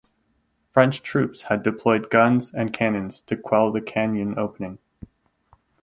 French troops had deployed guns and cannons to quell the canyon opening.